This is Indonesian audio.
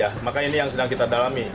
ya maka ini yang sedang kita dalami